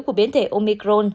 của biến thể omicron